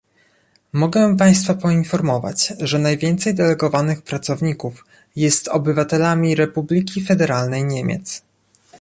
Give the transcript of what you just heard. Mogę państwa poinformować, że najwięcej delegowanych pracowników jest obywatelami Republiki Federalnej Niemiec